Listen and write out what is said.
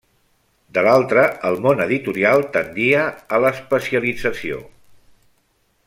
De l'altra, el món editorial tendia a l'especialització.